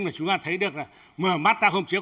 mà chúng ta thấy được là mở mắt ra hôm trước